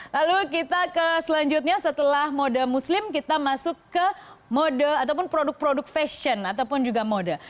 lalu kita ke selanjutnya setelah mode muslim kita masuk ke mode ataupun produk produk fashion ataupun juga mode